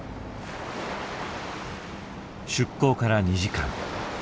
出港から２時間。